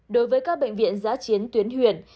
đối với các bệnh viện giá chiến tuyến huyện